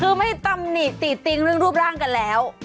คือไม่ตำหนีกตี๋ติงนึงรูปร่างกันแล้ว